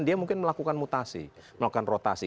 dia mungkin melakukan mutasi melakukan rotasi